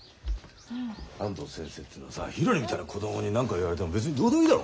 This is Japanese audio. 安藤先生っていうのはさひらりみたいな子供に何か言われても別にどうでもいいだろ。